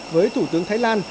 với thủ tướng thái lan